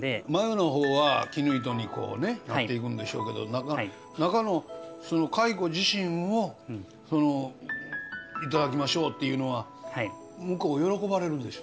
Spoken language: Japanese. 繭の方は絹糸にこうねなっていくんでしょうけど中のその蚕自身を頂きましょうっていうのは向こう喜ばれるでしょ？